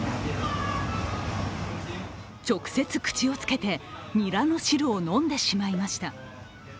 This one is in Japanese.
直接口をつけて、ニラの汁を飲んでしまいました。